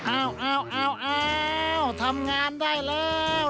เอาทำงานได้แล้ว